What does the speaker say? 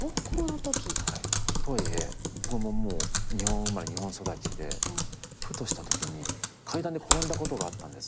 とはいえ僕も日本生まれ日本育ちでふとしたときに階段で転んだことがあったんです。